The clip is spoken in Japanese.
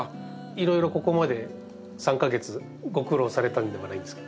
いろいろここまで３か月ご苦労されたんではないですか？